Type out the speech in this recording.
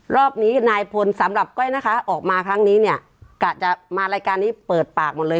รอบนี้นายพลสำหรับก้อยนะคะออกมาครั้งนี้เนี่ยกะจะมารายการนี้เปิดปากหมดเลย